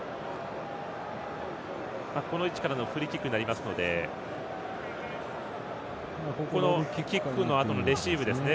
この位置からのフリーキックになりますのでキックのあとのレシーブですね。